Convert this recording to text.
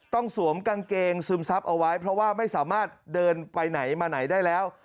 สวมกางเกงซึมซับเอาไว้เพราะว่าไม่สามารถเดินไปไหนมาไหนได้แล้ว